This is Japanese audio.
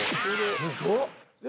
すごっ！